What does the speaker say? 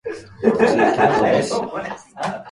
栃木県芳賀町